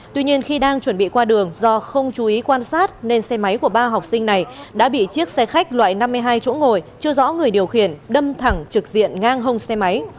tuy nhiên khi đang chuẩn bị qua đường do không chú ý quan sát nên xe máy của ba học sinh này đã bị chiếc xe khách loại năm mươi hai chỗ ngồi chưa rõ người điều khiển đâm thẳng trực diện ngang hông xe máy